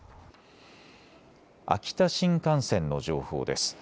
秋田新幹線の情報です。